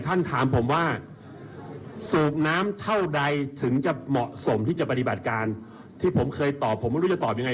ทุกท่านให้ถามช่วงจะปฏิบัติการถึงสูบน้ำเท่าไหล